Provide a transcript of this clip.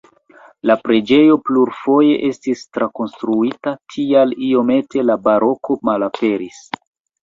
La preĝejo plurfoje estis trakonstruita, tial iomete la baroko malaperis.